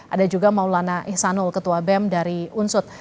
ada juga maulana ihsanul ketua bem dari unsut